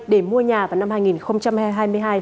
để mua nhà vào năm hai nghìn hai mươi hai